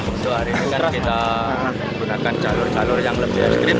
untuk hari ini kita gunakan jalur jalur yang lebih ekstrim